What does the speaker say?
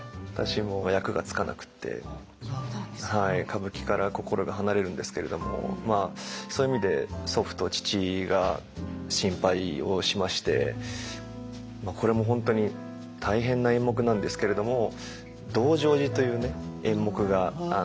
歌舞伎から心が離れるんですけれどもそういう意味で祖父と父が心配をしましてこれも本当に大変な演目なんですけれども「道成寺」というね演目が。